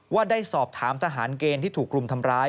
ว่าได้สอบถามทหารเกณฑ์ที่ถูกรุมทำร้าย